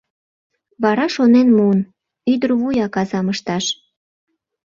Вара шонен муын: ӱдырвуяк азам ышташ.